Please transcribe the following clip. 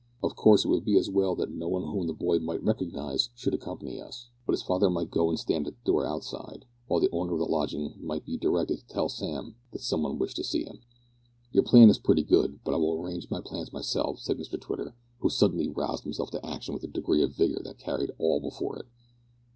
Of course it would be as well that no one whom the boy might recognise should accompany us, but his father might go and stand at the door outside, while the owner of the lodging might be directed to tell Sam that some one wishes to see him." "Your plan is pretty good, but I will arrange my plans myself," said Mr Twitter, who suddenly roused himself to action with a degree of vigour that carried all before it.